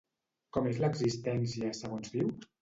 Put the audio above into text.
Com és l'existència, segons diu?